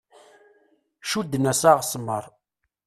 Cudden-as aɣesmar.